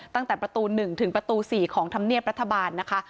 ตั้งแต่ประตูหนึ่งถึงประตูสี่ของทำเนียบรัฐบาลนะคะ